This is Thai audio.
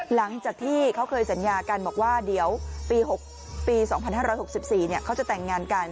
หลังจากที่เขาเคยสัญญากันบอกว่าเดี๋ยวปี๒๕๖๔เขาจะแต่งงานกัน